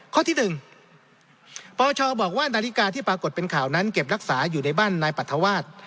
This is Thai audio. ข้อที่๑ปชบอกว่านาฬิกาที่ปรากฏเป็นข่าวนั้นเก็บรักษาอยู่ในบ้านนายปรัฐวาส